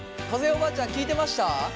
おばあちゃん聞いてました？